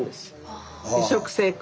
移植成功！